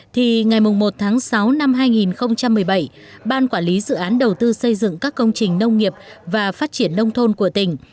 thì ngày một tháng sáu năm hai nghìn một mươi bảy ban quản lý dự án đầu tư xây dựng các công trình nông nghiệp và phát triển nông thôn của tỉnh